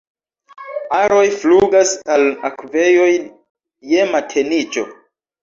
Aroj flugas al akvejoj je mateniĝo.